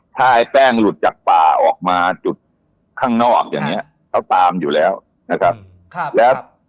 ถ้าไอ้แป้งหลุดจากปลาออกมาจุดข้างนอกอย่างนี้เขาตามอยู่แล้วนะครับแล้ว